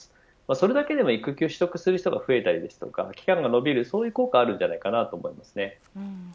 それだけでも育休取得する人が増えたり期間が延びるそういう効果があると思います。